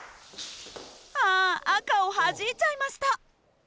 あ赤をはじいちゃいました。